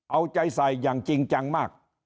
เอาใจใส่อย่างจริงจังมาก